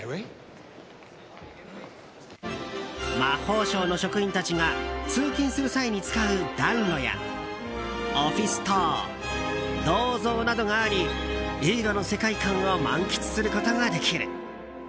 魔法省の職員たちが通勤する際に使う暖炉やオフィス棟銅像などがあり映画の世界観を満喫することができる。